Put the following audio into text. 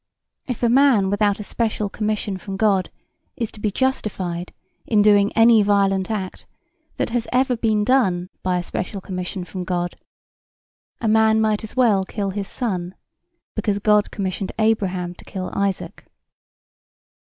If a man without a special commission from God is to be justified in doing any violent act that has ever been done by a special commission from God, a man might as well kill his son because God commissioned Abraham to kill Isaac.